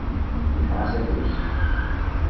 Yeffeɣ-as afus.